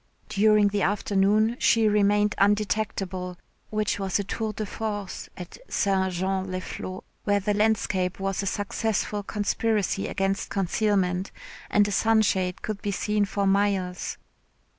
During the afternoon she remained undetectable, which was a tour de force at St. Jean les Flots, where the landscape was a successful conspiracy against concealment, and a sunshade could be seen for miles.